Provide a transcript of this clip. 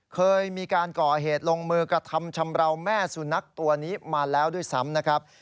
เคยมีการก่อเหตุลงมือกระทำชำราวแม่สุนัขตัวนี้มาแล้วด้วยซ้ำนะครับ